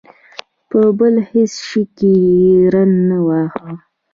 په بل هېڅ شي کې یې ری نه واهه.